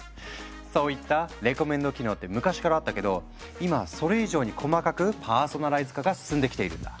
そういったレコメンド機能って昔からあったけど今はそれ以上に細かくパーソナライズ化が進んできているんだ。